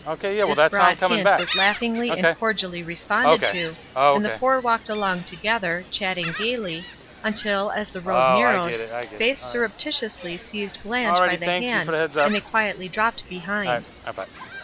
This broad hint was laughingly and cordially responded to, and the four walked along to gether, chatting gayly, until, as the road nar rowed, Faith surreptitiously seized Blanche by^the hand and they quietly dropped behind.